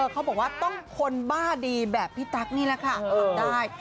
เขาบอกว่าต้องคนบ้าดีแบบพี่ตั๊กนี่แหละค่ะทำได้